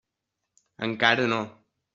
Encara no.